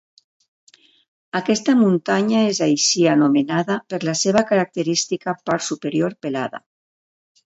Aquesta muntanya és així anomenada per la seva característica part superior pelada.